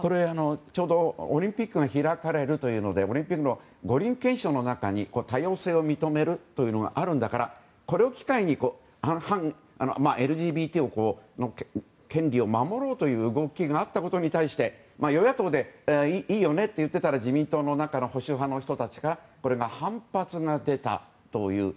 ちょうどオリンピックが開かれるというので五輪憲章の中に多様性を認めるというのがあるんだからこれを機会にＬＧＢＴの権利を守ろうという動きがあったことに対し与野党で、いいよねと言ってたら自民党の中の保守派の人たちがこれに反発が出たという。